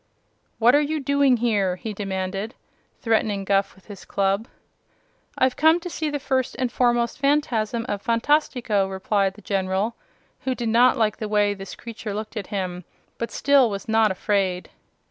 "What are you doing here?" he demanded, threatening Guph with his club. "I've come to see the First and Foremost Phanfasm of Phantastico," replied the General, who did not like the way this creature looked at him, but still was not afraid.